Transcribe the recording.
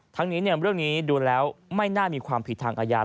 ทั้งนี้เรื่องนี้ดูแล้วไม่น่ามีความผิดทางอาญา